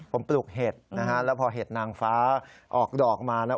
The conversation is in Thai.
ผมปลูกเห็ดนะฮะแล้วพอเห็ดนางฟ้าออกดอกมานะ